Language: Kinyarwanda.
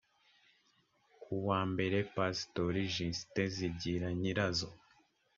uwa mbere pasitori justin zigiranyirazo